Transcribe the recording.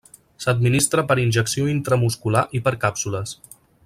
S'administra per injecció intramuscular i per càpsules.